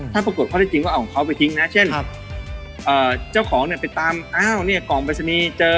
ถ้าปรากฏข้อได้จริงว่าเอาของเขาไปทิ้งนะเช่นเจ้าของเนี่ยติดตามอ้าวเนี่ยกล่องปริศนีย์เจอ